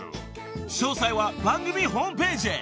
［詳細は番組ホームページへ。